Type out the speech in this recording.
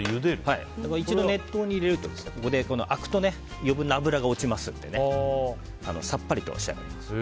一度、熱湯に入れるとあくと余分な脂が落ちますのでさっぱりと仕上がります。